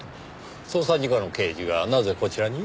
捜査二課の刑事がなぜこちらに？